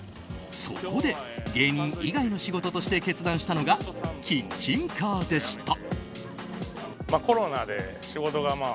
そこで芸人以外の仕事として決断したのがキッチンカーでした。